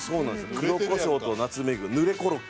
黒コショウとナツメグ濡れコロッケ。